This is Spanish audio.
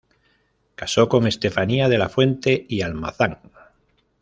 Casó con Estefanía de la Fuente y Almazán.